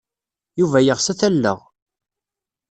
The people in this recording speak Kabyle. Yuba yeɣs ad t-alleɣ.